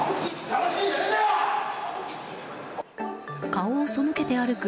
顔を背けて歩く